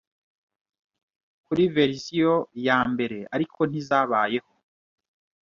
kuri verisiyo yambere ariko ntizabayeho